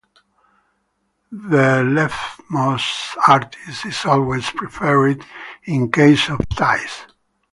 The leftmost artist is always preferred in case of ties.